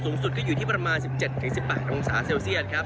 สูงสุดก็อยู่ที่ประมาณ๑๗๑๘องศาเซลเซียตครับ